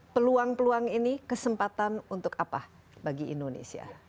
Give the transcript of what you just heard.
peluang peluang ini kesempatan untuk apa bagi indonesia